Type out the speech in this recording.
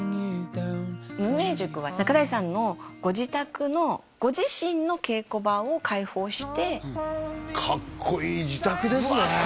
無名塾は仲代さんのご自宅のご自身の稽古場を開放してかっこいい自宅ですね